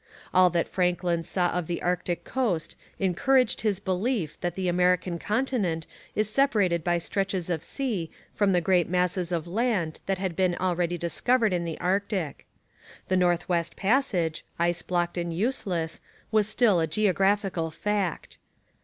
All that Franklin saw of the Arctic coast encouraged his belief that the American continent is separated by stretches of sea from the great masses of land that had been already discovered in the Arctic. The North West Passage, ice blocked and useless, was still a geographical fact.